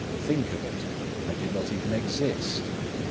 Think of it—I did not even exist!